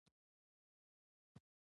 ښځې د سړي پر غاړه ګوتې کېښودې.